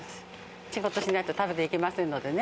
仕事しないと食べていけませんのでね。